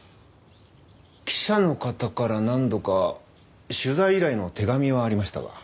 記者の方から何度か取材依頼の手紙はありましたが。